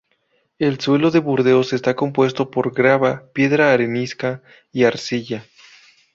El suelo de Burdeos está compuesto por grava, piedra arenisca, y arcilla.